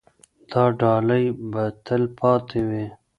دا ډالۍ به تل پاتې وي.